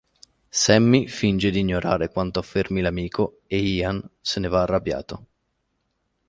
Sammy finge di ignorare quanto affermi l'amico e Ian se ne va arrabbiato.